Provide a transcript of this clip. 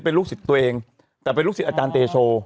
เป็นลูกศิษย์ตัวเองแต่เป็นลูกศิษย์อาจารย์เตโช